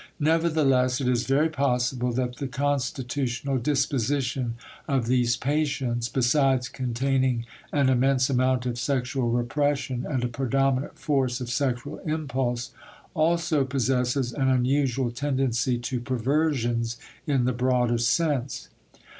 Nevertheless, it is very possible that the constitutional disposition of these patients besides containing an immense amount of sexual repression and a predominant force of sexual impulse also possesses an unusual tendency to perversions in the broadest sense.